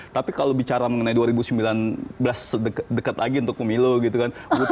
tapi kalau bicara mengenai dua ribu sembilan belas dekat lagi untuk pemilu gitu kan